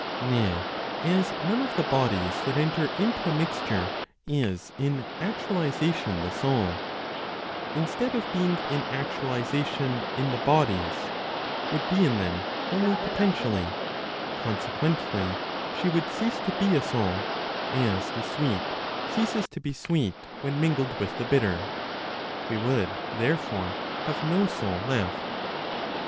Now as none of the bodies that enter into a mixture is in actualization the soul, instead of being in actualization in the bodies, would be in them only potentially; consequently, she would cease to be a soul, as the sweet ceases to be sweet when mingled with the bitter; we would, therefore, have no soul left.